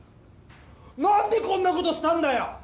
何でこんなことしたんだよ。